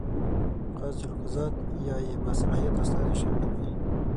قاضي القضات یا یې باصلاحیت استازی شامل وي.